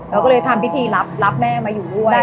เราก็เลยทำพิธีรับแม่มาอยู่ด้วย